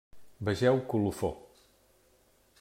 Vegeu Colofó.